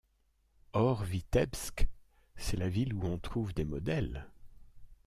Or Vitebsk, c'est la ville où on trouve des modèles.